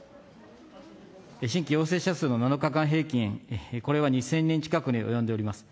新規陽性者数の７日間平均、これは２０００人近くに及んでおります。